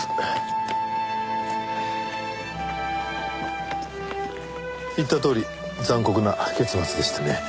言ったとおり残酷な結末でしたね。